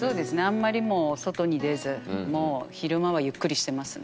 あんまりもう外に出ずもう昼間はゆっくりしてますね。